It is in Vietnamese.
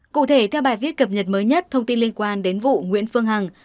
cụ thể theo bài viết cập nhật mới nhất thông tin liên quan đến vụ nguyễn phương hằng